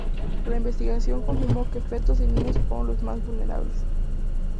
La investigación confirmó que fetos y niños fueron los más vulnerables.